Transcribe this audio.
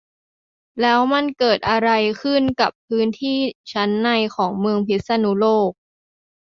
แล้วมันเกิดอะไรขึ้นกับพื้นที่ชั้นในของเมืองพิษณุโลก